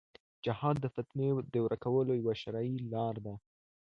جهاد د فتنې د ورکولو یوه شرعي لار ده.